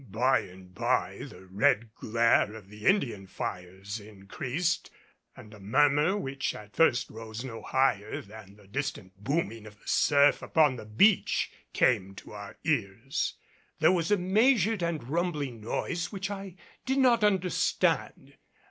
By and by the red glare of the Indian fires increased and a murmur which at first rose no higher than the distant booming of the surf upon the beach came to our ears. There was a measured and rumbling noise which I did not understand.